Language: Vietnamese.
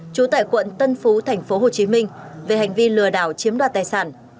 chủ tải quận tân phú thành phố hồ chí minh về hành vi lừa đảo chiếm đoạt tài sản